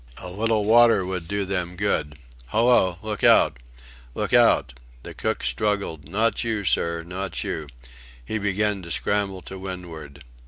A little water would do them good. Hallo! Look out! Look out!" The cook struggled. "Not you, sir not you!" He began to scramble to windward.